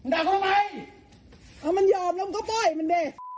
ด่าตอนไหนพ่อ